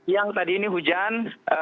yang tadi ini hujan